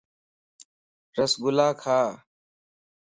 رس گُلا کا